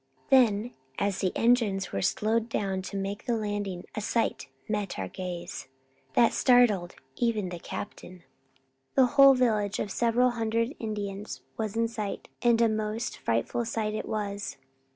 Then as the engines were slowed down to make the landing a sight met our gaze that startled even the captain. The whole village of several hundred Indians was in sight and a most frightful sight it was.